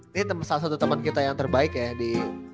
ini salah satu teman kita yang terbaik ya di